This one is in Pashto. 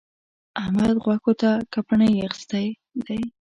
احمد؛ غوښو ته کپڼۍ اخيستی دی.